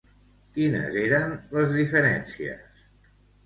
Quines eres les diferències?